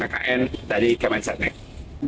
dari kementerian sekretariat negara